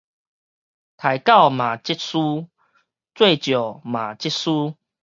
刣狗嘛這軀，做醮嘛這軀